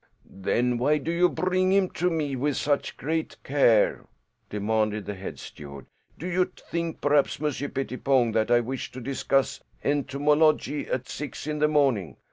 "Then why do you bring him to me with such great care?" demanded the head steward. "Do you think perhaps, Monsieur Pettipon, that I wish to discuss entomology at six in the morning?